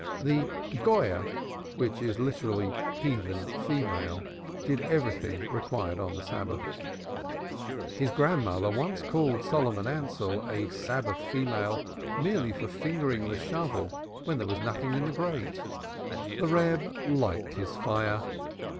The Goyah, which is literally heathen female, did everything required on the Sabbath. His grandmother once called Solomon Ansell a Sabbath female merely for fingering the shovel when there was nothing in the grate. The Reb liked his fire.